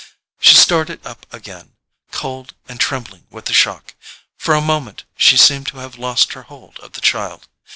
She started up again, cold and trembling with the shock: for a moment she seemed to have lost her hold of the child.